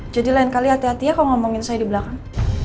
jadi lain kali hati hatinya kok ngomongin saya di belakang